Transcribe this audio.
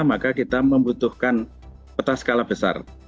maka kita membutuhkan peta skala besar